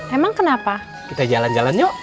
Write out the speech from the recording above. emang kenapa kita jalan jalan yuk